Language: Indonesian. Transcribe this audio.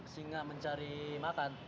singa mencari makan